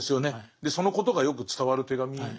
でそのことがよく伝わる手紙ですね。